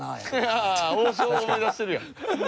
ああ王将を思い出してるやん。